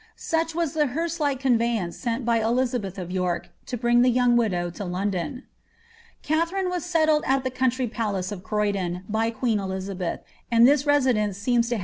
Such was the hearse like conveyance sent by Elizabeth of York to bring the troang widow to London. Katharine was settled at the country palace of Croydon by queen Elizabeth, and this residence seems to have been her home.